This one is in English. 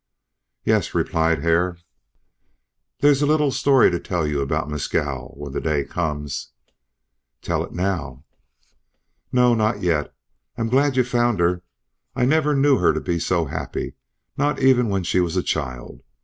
"Yes," replied Hare. "There's a little story to tell you about Mescal, when the day comes." "Tell it now." "No. Not yet. I'm glad you found her. I never knew her to be so happy, not even when she was a child.